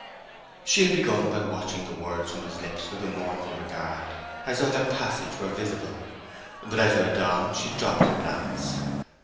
She had begun by watching the words from his lips with a mournful regard, as though their passage were visible; but as he went on she dropped her glance.